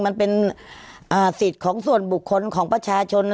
มันเป็นสิทธิ์ของส่วนบุคคลของประชาชน